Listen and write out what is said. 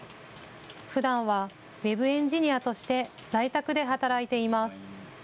ふだんはウェブエンジニアとして在宅で働いています。